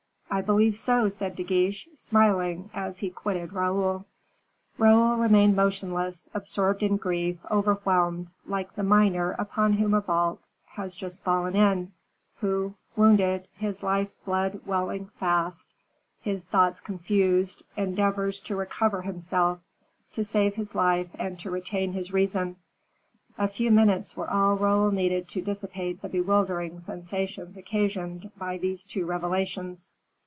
"I believe so," said De Guiche, smiling as he quitted Raoul. Raoul remained motionless, absorbed in grief, overwhelmed, like the miner upon whom a vault has just fallen in, who, wounded, his life blood welling fast, his thoughts confused, endeavors to recover himself, to save his life and to retain his reason. A few minutes were all Raoul needed to dissipate the bewildering sensations occasioned by these two revelations.